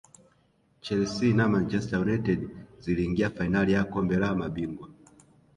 chelsea na manchester united ziliingia fainali ya kombe la mabingwa